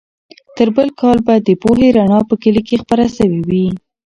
تر بل کال به د پوهې رڼا په کلي کې خپره سوې وي.